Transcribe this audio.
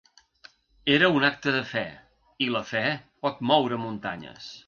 Era un acte de fe, i la fe pot moure muntanyes.